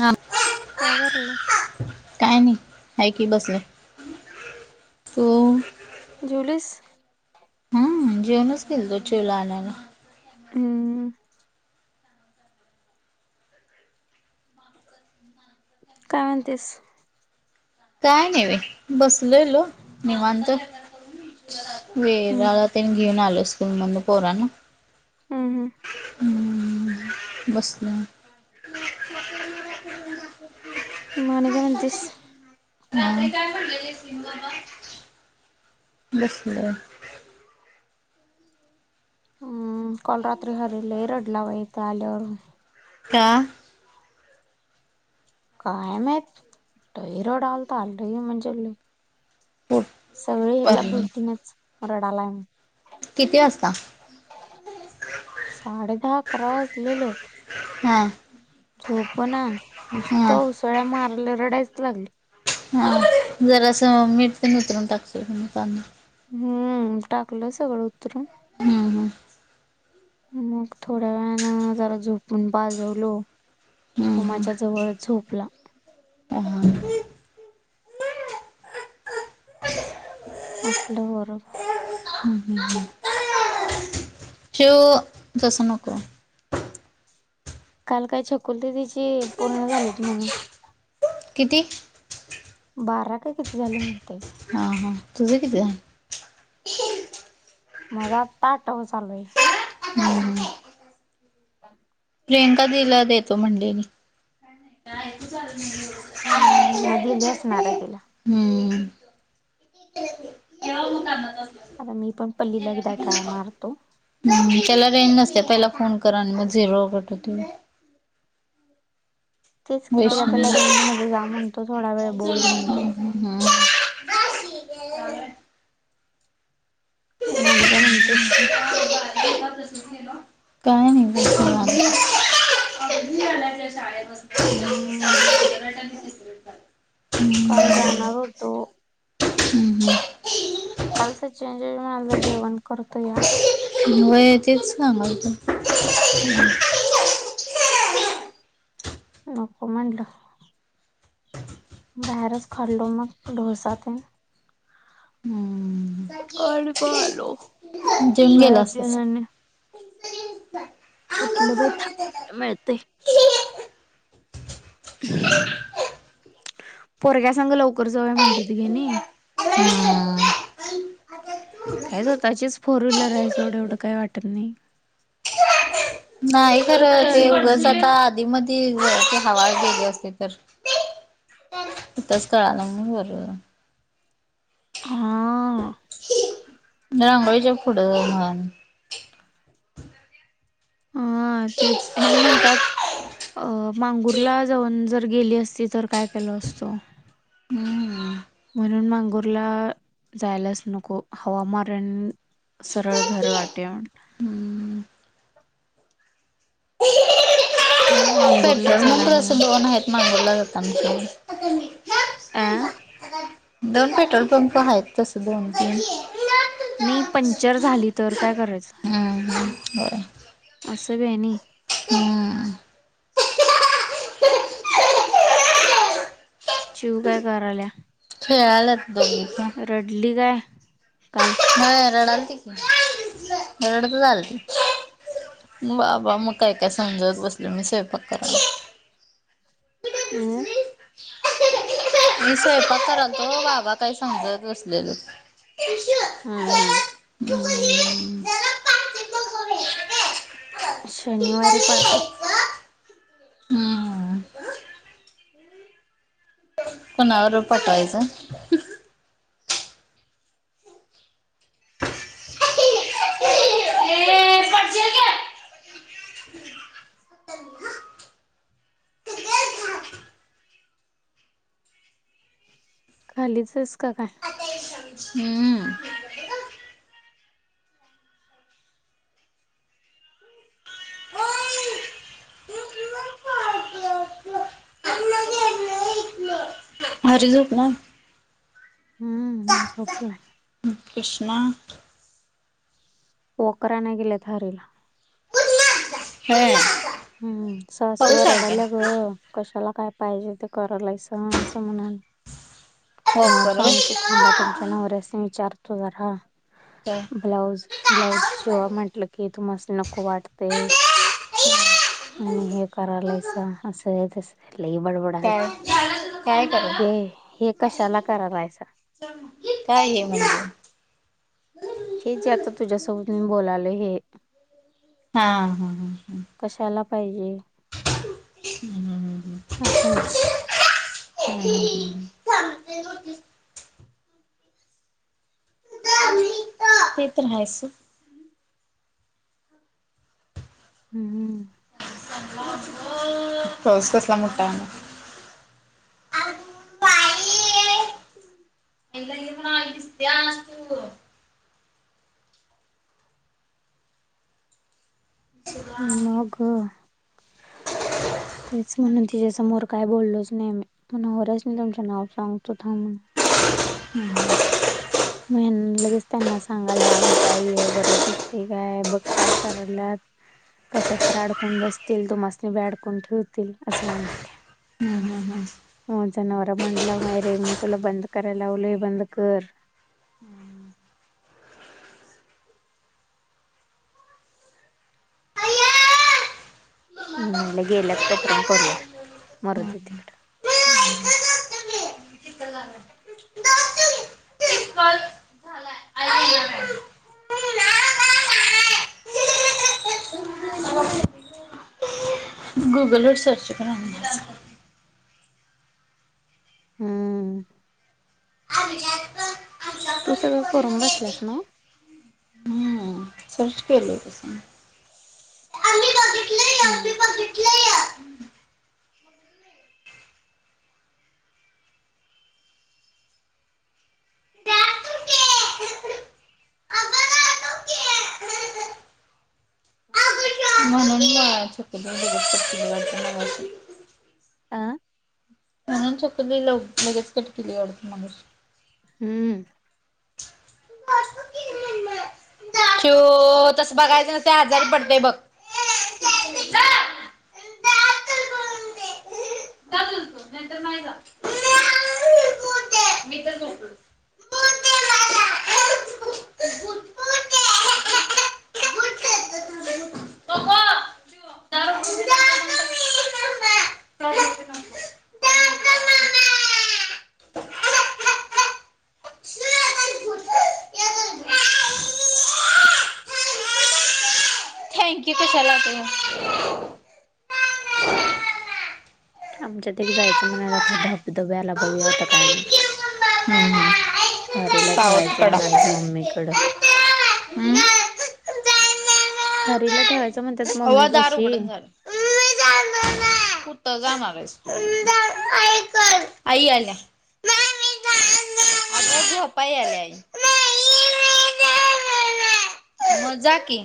हां कां कायं झालंय कायं नाहीं हांय की बसले हो जेवलीस हां जेवणचं केलतो चिवडा आणांयला. हम्मं कायं म्हणतीस कायं नाहीं बाई बसलेलो होतो निवांत वेळं हम्म मिळालां तरं त्यांनी घेऊन आलो स्कूंलमधूंन पोरांना. हम्मं हम्मं बसूं नां मानी कायं म्हणतीस [unintelligible] बसले. [unintelligible] हम्मं कांल रात्री रडलां लंय रडलां बाई इथं आल्यांवर. कां कायं माहीत लंय रडांलता लंय म्हणजे लंय पोट सगळीं ह्यांच्या भरलं भोवतीनच रडांलाय म्हणूंन. किती वाजता साडे दहा अकरालां दिलेलं हां झोप नां नुसतं उसळ्यां मारल्यां रडांयलाचं लागली. हां जरां असं मीठ ते उतरूंन टाकशील हीच्यांवन. हम्मं टाकलं सगळं उतरूंन. हम्मं हम्मं मंग थोड्यां वेळानं जरां झोपूंन पाजवलो, हम्म हम्म माझ्यां जवळचं झोपलां. अरे बापरे असलं पोरं हम्म हम् हम् [unintelligible] चिव तसं नको. कांल कायं छकुली दिदीची पूर्ण झालेत म्हणूंन. किती बारा कां किती झाले म्हणते. हां हां तुझं किती झाले मलां पाठव चांगले काका कुंठे आहे कां प्रियंका दिलां देतो म्हणले झा [inaudible] हम्म! मग दिली असणार आहे तिला. हम्म! [unintelligible] आता मी पण पल्लीला एकदा ट्राय मारतो. ह त्याला रेंज नसते पहिला फोन करा आणि मग झिरो कट होते. तेच कि, तिला पहिला वैष्णवीला रेंजमध्ये जा म्हणतो थोडा वेळ बोल म्हणतो. हम! बसी! म आणि काय म्हणतेस? काय नाही बसले निवांत. झाला शाळे पासना हम्म! काल जाणार होतो. हम! कालसा चेंजेस म्हणाला जेवण करतो या. व्हय तेच सांगच नको म्हणलं. बाहेरच खाल्लो मग ढोसा तेन. हम्म अ पालो. जेवून गेल असतीस. कुठलं बई थ मिळतय. [inaudible] पोरग्या संग लवकर जाऊया म्हटली त हेणी. हा. काय स्वतःचीच फोर व्हीलर आहे एवढं सोड एवढं काही वाटत नाही. नाही खर खरं ते तरी पण उघंच आता आधीमध्ये ती ग ते हवा वेगळी असते तर तिथच कळाल नाही बर झालं. हां. रांगोळीच्या पुढं ह्. हं. हा. तेच ह्यानी म्हणतात अ मांगूरला जाऊन जर गेली असती तर काय केल असतो. हम्म म्हणून मांगुरला जायलाच नको हवा मारुन सरळ घर घाटुया म्हटलं. हम्म मंगूरला तसं दोन आहेत मांगुरला जाताना अ दोन पेट्रोल पंप आहेत तस बी आमचे. नी पंक्चर झाली तर काय करायचं? हमं होय. अस भी हाय आणि हं. चिव काय करा आल्या? खेळालात दोघी पण रडली काय काल? हा रडायलती रडतंयच आली. बा बा मग काय काय समजवत बसल मी स्वयंपाक करायला. अम्. मी स्वयंपाक करलतो बाबा काय समजवत बसलेले. हम हम. [inaudible] शनिवारी पाठव. हम्म. कोणा बरोबर पटायचं. खालीचस का काय? हम्म. हरी झोपला? हम्म झोपलाय. कृष्णा. वोकर आणायला गेलेत हरीला. [inaudible] हम्म सासू पाऊस आहे वरडाल्या ग. कशाला काय पाहिजे ते करालायस असं म्हणाल. काय हो नाव करू सांग तू थांबा तुमच्या नवऱ्यास नी विचारतो जरा. अ्. ब्लाऊज ब्लाऊज शिवा म्हटलं की तुमस् नी नको वाटते. आणि हे करायलायचं असं तस. लय काय बडबडालती काय काय करू हे हे कशाला करालायस. काय हे म्हणज. हे जे आता तुझ्यासोबत मी बोलालो हे. हा हा. कशाला पाहिजे. हम् हम हम् हम अस म्हणलाते. [inaudible] थांबते [inaudible] ते तर आहेस. हम्म हम्म. [inaudible] पाऊस कसला मोठा आला. दिसत असतू [inaudible] [unintelligible] ह् [unintelligible] मग ग. तेच म्हणून तिच्या समोर काय बोललोच नाही मग थांब तुमच्या नवऱ्यसानी नाव तुमच नाव सांगतो म्हणून. [inaudible] [unintelligible] म लगेच त्यांना सांगायला आहे काय हे बरं दिसते काय बघ काय करालेत. कशात तर आडकून बसतील तू मासणी बाय बी आडकून ठेवतील असं म्हणाले. हम ह. माझं नवरा म्हणलं बाहेर ये तुला बंद करायला लावलोय बंद कर. मी म्हणले गेल्यात तोपर्यंत करूया मरुदे तिकड. [inaudible] गूगलवर सर्च करन. हम्म अ का तर तू सगळं करून बसलास ना हम्म सर्च केले तुस हम्म जितलं दाटुके. आबा दाटुके. मा ते व आं क ल लगेच कट केलीडग हम्म शू तसं बघायचं ते आजारी पडतेय बघ दाटुके म्हणते. तू न तरर नाही ज बुट थँकू त चला त आमच्यात एक जायचं म्हणालात हा धबधब्याला बघूया आता काय म्हणत हरीला सावध ठेवायचं कडा म्हणाला मम्मीकडं हम्म. हरीला ठेवायचं म्हणतात मम्मी अवा पशी [inaudible] कुत जा मारस आई आल्या [inaudible] आताज होपाय याले मजा की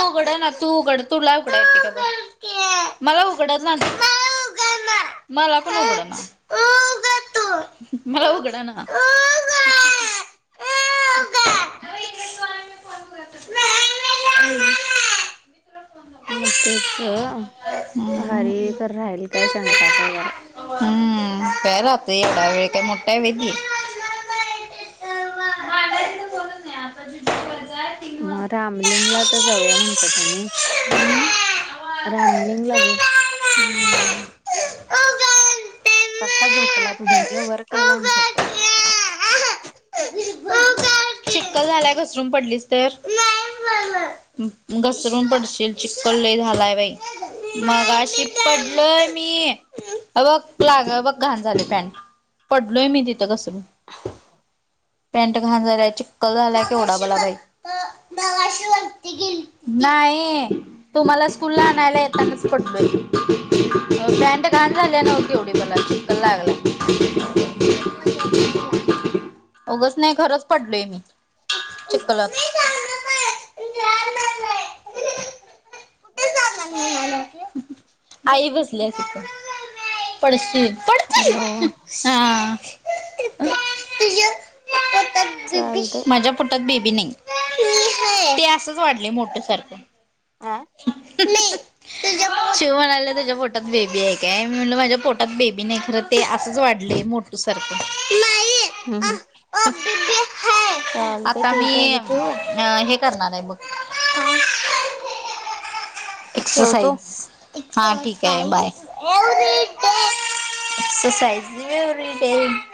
उघड ना तू उघड तुला उघड त का मला उघडत नाही मलाकड क म हो ग तो मला उघड ना [inaudible] मग तेच हम्म. हाय हरकर राहील काय की नाही. शंकाच आहे जरा हम्म पेला त येडा वेळ काय मोटा वदी बोलत नाहीण ज मग रामलिंगला तर जाऊया म्हणतात त्यांनी ती. रामलिंग लाग कसा झोपलाय प ढोंग्या वर केला झोपलाय चिक्कल झालाय घसरून पडलीच तर घसरून पडशील चिककल लय झालाय बाई मगशी पडलय मी बघ लाग बघ घाण झाले पॅन्ट पडलोय मी तिथं कसंण पेंट खाण झालाय चिक्कल झालाय की ढा बला बाई वा नाही तु मला स्कूल ला आणायला येतानाच पटतोय पॅन्ट घा आल्या नव्हती एवढी मला चिकल लागला उगंच नाही खरंच पडलय मी चिककल ह आई बसली तिथ पडश हॅलो हा चालते माज्या कुटच बेबी नाही ते असच वाढले मोठ्या सारखं आं. [unintelligible] शिव म्हणाले तुझ्या पोटात बेबी आहे काय मी म्हटलं माझ्या पोटात बेबी नाही खरं ते असंच वाढलय मो तु सारख हम् हम. अ बेबी हाय, आता ठीक आहे मी की ठेवू का अ हे करणार आहे बग, ठेवतो एक्ससाइज. हा ठीक आहे बाय. Exercise येवरी day.